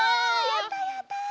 やったやった！